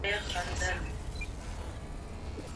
د خپل لومړي وزیر په مرسته تحول ته لار هواره کړه.